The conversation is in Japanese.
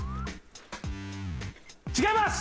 違います！